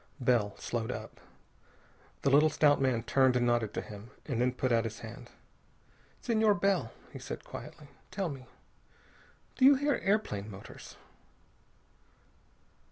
Bell slowed up. The little stout man turned and nodded to him, and then put out his hand. "Senor Bell," he said quietly, "tell me. Do you hear airplane motors?"